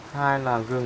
hai là gừng